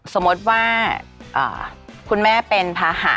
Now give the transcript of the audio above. สมมติว่าคุณแม่เป็นภาหะ